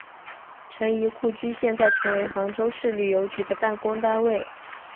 陈仪故居现在成为杭州市旅游局的办公单位。